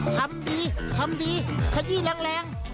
ทำดีทำดีขยี้แรง